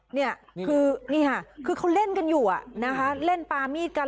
นี่ค่ะคือเล่นกันอยู่เล่นปลามีดกัน